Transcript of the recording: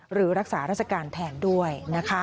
หรือรักษาราชการแทนด้วย